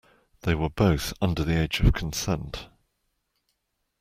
They were both under the age of consent.